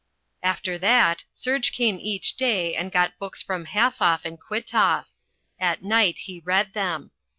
After that Serge came each day and got books from Halfoff and Kwitoff. At night he read them.